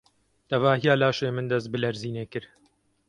Tevahiya laşê min dest bi lerizînê kir.